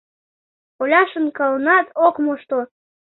Оля шонкаленат ок мошто.